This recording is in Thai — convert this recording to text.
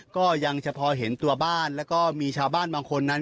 ก็ยังจะพอเห็นตัวบ้านแล้วก็มีชาวบ้านบางคนนั้น